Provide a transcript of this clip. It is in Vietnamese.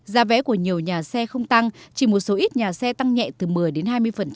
giá vé của nhiều nhà xe không tăng chỉ một số ít nhà xe tăng nhẹ từ một mươi đến hai mươi